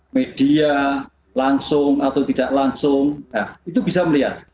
media langsung atau tidak langsung itu bisa melihat